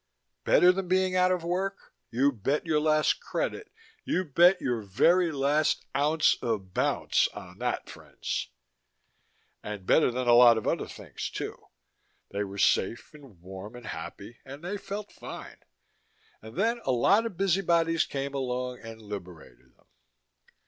Better than being out of work? You bet your last credit, you bet your very last ounce of bounce on that, friends. And better than a lot of other things, too. They were safe and warm and happy, and they felt fine. And then a lot of busybodies came along and liberated them.